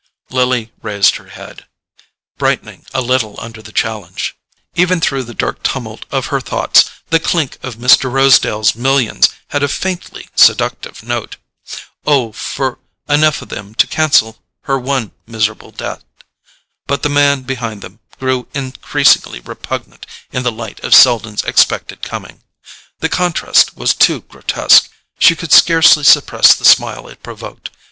Lily raised her head, brightening a little under the challenge. Even through the dark tumult of her thoughts, the clink of Mr. Rosedale's millions had a faintly seductive note. Oh, for enough of them to cancel her one miserable debt! But the man behind them grew increasingly repugnant in the light of Selden's expected coming. The contrast was too grotesque: she could scarcely suppress the smile it provoked.